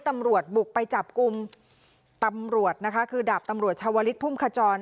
ตำรวจบุกไปจับกลุ่มตำรวจนะคะคือดาบตำรวจชาวลิศพุ่มขจร